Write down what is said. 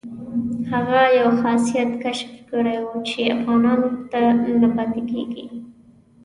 هغه یو خاصیت کشف کړی وو چې افغانانو ته نه پاتې کېدو.